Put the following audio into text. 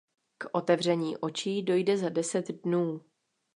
K otevření očí dojde za deset dnů.